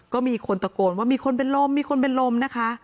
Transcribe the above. ก็มีคนตะโกนว่ามีคนเป็นลมนะคะ